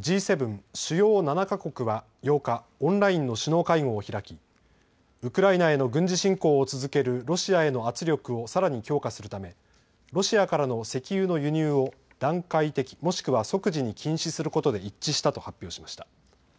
Ｇ７・主要７か国は８日、オンラインの首脳会合を開きウクライナへの軍事侵攻を続けるロシアへの圧力をさらに強化するためロシアからの石油の輸入を段階的、もしくは即時に禁止することで一致したと発表しました。